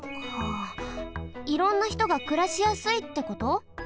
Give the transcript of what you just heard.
はあいろんなひとがくらしやすいってこと？